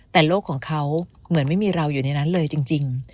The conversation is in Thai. แต่โลกของเขาเหมือนไม่มีเราอยู่ในนั้นเลยจริง